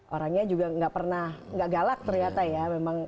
orangnya juga nggak pernah nggak galak ternyata ya